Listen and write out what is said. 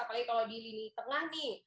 apalagi kalau di lini tengah nih